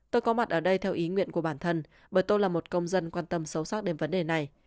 tôi có mặt ở đây theo ý nguyện của bản thân bởi tôi là một công dân quan tâm sâu sắc đến vấn đề này